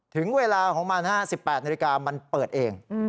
ถึงเวลาของมัน๑๘นาฬิกามันเปิดเอง